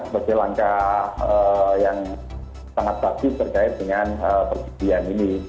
sebagai langkah yang sangat bagus terkait dengan perjudian ini